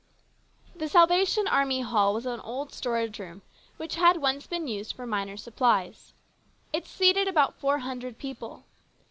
THE Salvation Army Hall was an old storage room which had once been used for miners' supplies. It seated about four hundred people.